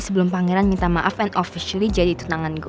sebelum pangeran minta maaf and officially jadi tenangan gue